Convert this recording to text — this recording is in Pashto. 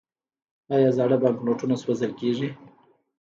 آیا زاړه بانکنوټونه سوځول کیږي؟